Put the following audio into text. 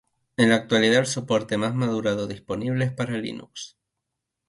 En la actualidad el soporte más madurado disponible es para Linux.